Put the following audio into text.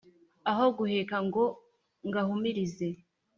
Aho kugaheka ngo ngahumurize